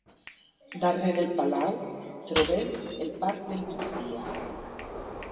Darrere el Palau trobem el Parc del Migdia.